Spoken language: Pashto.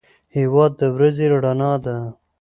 هېواد د ورځې رڼا ده.